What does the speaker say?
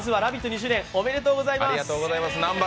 ２周年、おめでとうございます。